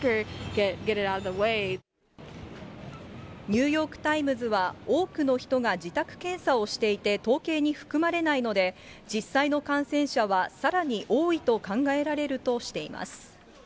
ニューヨークタイムズは、多くの人が自宅検査をしていて、統計に含まれないので、実際の感染者はさらに多いと考えられるとしています。